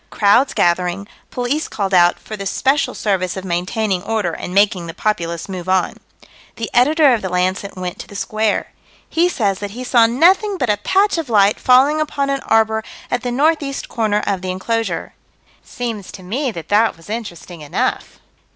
Crowds gathering police called out "for the special service of maintaining order and making the populace move on." The Editor of the Lancet went to the Square. He says that he saw nothing but a patch of light falling upon an arbor at the northeast corner of the enclosure. Seems to me that that was interesting enough.